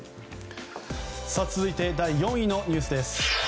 続いて第４位のニュースです。